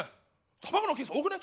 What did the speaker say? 卵のケース多くない？